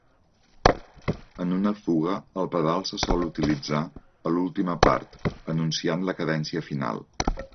En una fuga, el pedal se sol utilitzar a l'última part, anunciant la cadència final.